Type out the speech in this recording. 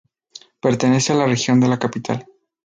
Pertenece a la Región de la Capital.